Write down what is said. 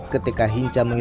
dpr ri puan maharani